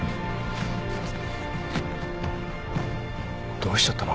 どうしちゃったの？